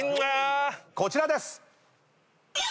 こちらです！